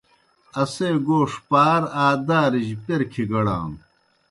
اسے گوݜ پار آ دارِجیْ پیر کِھگَڑانوْ۔